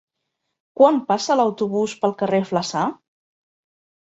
Quan passa l'autobús pel carrer Flaçà?